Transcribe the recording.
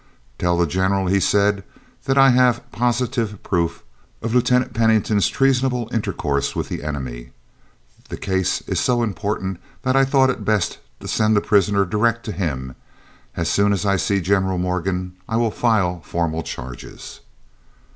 "Tell the General," he said, "that I have positive proof of Lieutenant Pennington's treasonable intercourse with the enemy. The case is so important I thought it best to send the prisoner direct to him. As soon as I see General Morgan I will file formal charges."